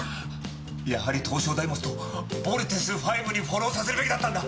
やはり闘将ダイモスとボルテスＶにフォローさせるべきだったんだ。